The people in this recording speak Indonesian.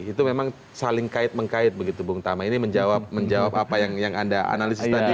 itu memang saling kait mengkait begitu bung tama ini menjawab apa yang anda analisis tadi